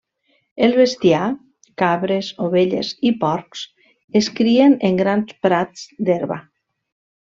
El bestiar, cabres, ovelles i porcs es crien en grans prats d'herba.